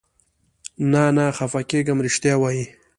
نه، نه خفه کېږم، رښتیا وایې؟